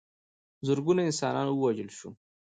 زرګونه انسانان ووژل شول.